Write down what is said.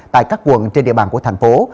tại các quận trên địa bàn của thành phố